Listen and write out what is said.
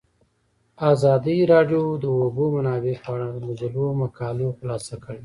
ازادي راډیو د د اوبو منابع په اړه د مجلو مقالو خلاصه کړې.